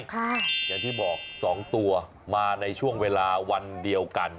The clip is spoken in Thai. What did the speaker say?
อย่างที่บอกสองตัวมาในช่วงเวลาวันเดียวกัน